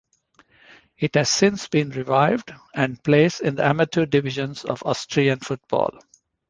It has since been revived and plays in the amateur divisions of Austrian football.